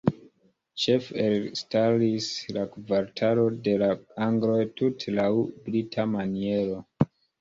Ĉefe elstaris la kvartalo "de la angloj" tute laŭ brita maniero.